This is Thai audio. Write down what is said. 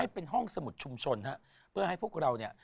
เป็นห้องสมุดชุมชนฮะเพื่อให้พวกเราเนี่ย